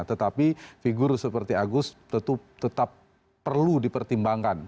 tetapi figur seperti agus tetap perlu dipertimbangkan